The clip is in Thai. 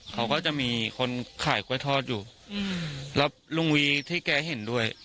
เขาก็จะมีคนขายกล้วยทอดอยู่แล้วลุงวีที่แกเห็นด้วย